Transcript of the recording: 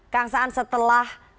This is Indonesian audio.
kang saan setelah